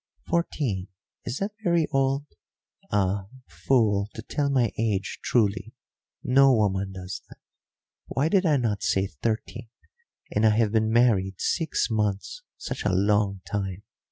"Fourteen is that very old? Ah, fool, to tell my age truly no woman does that. Why did I not say thirteen? And I have been married six months, such a long time!